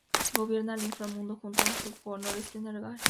Gobierna el inframundo junto a su consorte Nergal.